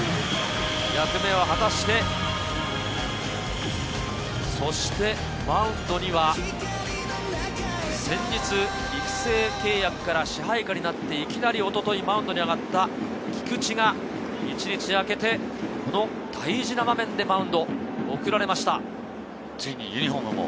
役目を果たして、そしてマウンドには先日、育成契約から支配下になって、いきなりおとといマウンドに上がった菊地が一日あけてこの大事な場面でついにユニホームも。